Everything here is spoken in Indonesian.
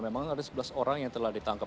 memang ada sebelas orang yang telah ditangkap